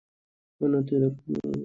অন্যথায় রক্তক্ষরণ হবে।